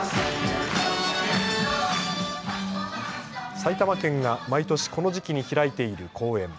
埼玉県が毎年この時期に開いている公演。